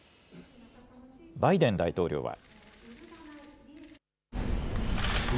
バイデン大統領は。